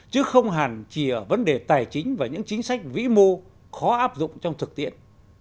chứ không hẳn chỉ ở vấn đề tài chính và những chính sách vĩ mô khó áp dụng trong thực tiễn